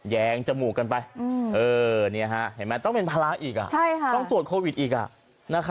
แงงจมูกกันไปเห็นไหมต้องเป็นภาระอีกต้องตรวจโควิดอีก